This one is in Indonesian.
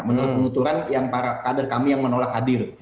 menurut penuturan yang para kader kami yang menolak hadir